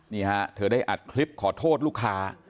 นี่ฮะเธอได้อัดคลิปขอโทษลูกค้า